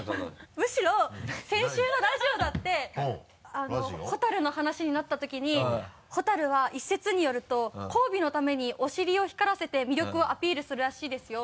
むしろ先週のラジオだって蛍の話になったときに「蛍は一説によると交尾のためにお尻を光らせて魅力をアピールするらしいですよ。